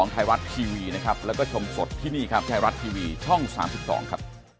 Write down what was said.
ใช่ครับ